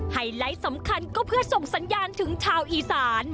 ไลท์สำคัญก็เพื่อส่งสัญญาณถึงชาวอีสาน